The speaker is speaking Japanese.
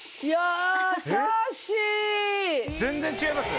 全然違います？